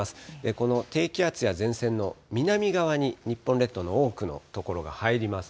この低気圧や前線の南側に日本列島の多くの所が入ります。